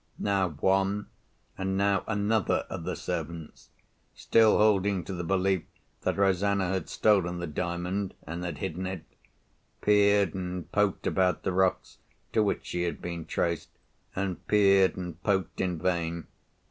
Now one, and now another, of the servants—still holding to the belief that Rosanna had stolen the Diamond and had hidden it—peered and poked about the rocks to which she had been traced, and peered and poked in vain.